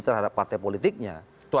terhadap partai politiknya